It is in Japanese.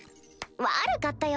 悪かったよ！